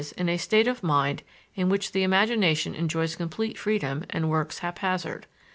in a state of mind in which the imagination enjoys complete freedom and works haphazard.